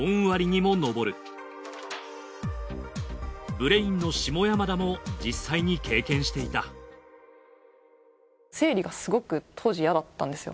ブレインの下山田も実際に経験していた生理がすごく当時嫌だったんですよ